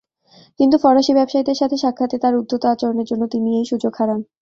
কিন্তু ফরাসি ব্যবসায়ীদের সাথে সাক্ষাতে তার উদ্ধত আচরণের জন্য তিনি এই সুযোগ হারান।